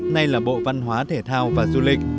nay là bộ văn hóa thể thao và du lịch